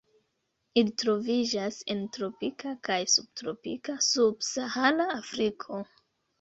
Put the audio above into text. Ili troviĝas en tropika kaj subtropika sub-Sahara Afriko.